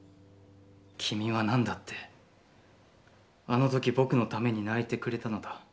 君は何だって、あの時僕のために泣いてくれたのだ。